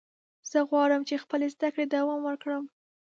زه غواړم چې خپلې زده کړې دوام ورکړم.